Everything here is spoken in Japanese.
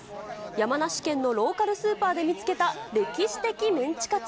山梨県のローカルスーパーで見つけた歴史的メンチカツ。